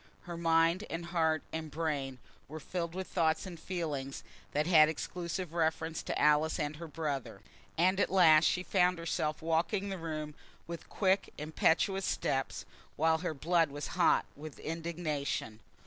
Her mind, and heart, and brain, were filled with thoughts and feelings that had exclusive reference to Alice and her brother, and at last she found herself walking the room with quick, impetuous steps, while her blood was hot with indignation.